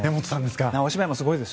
お芝居もすごいですし。